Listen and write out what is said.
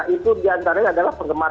itu diantaranya adalah penggemar